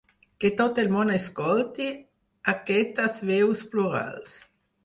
Que tot el món escolti aquestes veus plurals.